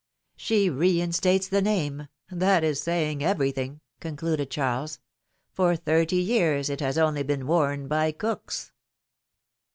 ^^She reinstates the name ! That is saying every thing,^^ concluded Charles. ^^For thirty years it has only been worn by cooks